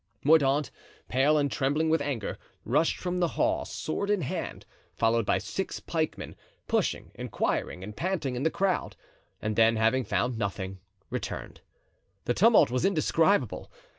Mordaunt, pale and trembling with anger, rushed from the hall sword in hand, followed by six pikemen, pushing, inquiring and panting in the crowd; and then, having found nothing, returned. The tumult was indescribable.